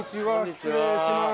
失礼します。